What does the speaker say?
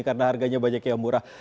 karena harganya banyak yang buat